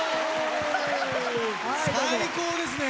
最高ですね。